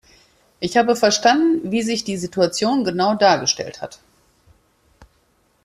Ich habe verstanden, wie sich die Situation genau dargestellt hat.